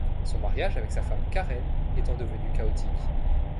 Son mariage avec sa femme Karen étant devenu chaotique.